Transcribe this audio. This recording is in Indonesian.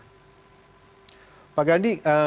pak gandhi kalau tadi ada liputan dari ya